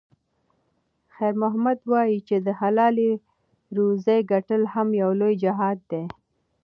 خیر محمد وایي چې د حلالې روزۍ ګټل هم یو لوی جهاد دی.